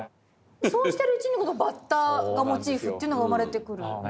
そうしてるうちにこのバッタがモチーフというのが生まれてくる。